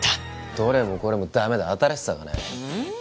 どれもこれもダメだ新しさがないうん？